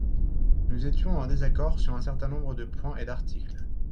Nous étions en désaccord sur un certain nombre de points et d’articles.